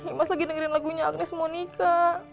imas lagi dengerin lagunya agnez monica